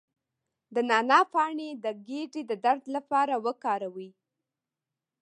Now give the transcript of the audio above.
د نعناع پاڼې د ګیډې د درد لپاره وکاروئ